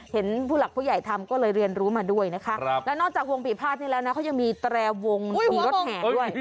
ผู้หลักผู้ใหญ่ทำก็เลยเรียนรู้มาด้วยนะคะแล้วนอกจากวงปีภาษนี้แล้วนะเขายังมีแตรวงมีรถแห่ด้วย